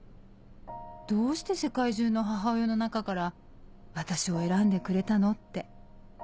どうして世界中の母親の中から私を選んでくれたのって」。